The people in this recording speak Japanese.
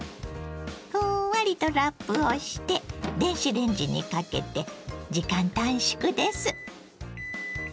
ふんわりとラップをして電子レンジにかけて時間短縮です。